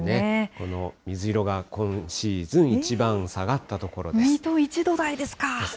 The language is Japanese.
この水色が、今シーズン一番下がった所です。